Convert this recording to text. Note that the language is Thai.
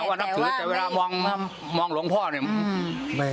แต่เวลามองหลวงพ่อเนี่ย